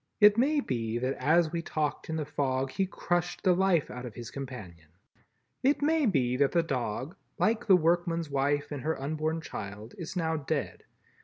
It may be that as we talked in the fog he crushed the life out of his companion. It may be that the dog, like the workman's wife and her unborn child, is now dead.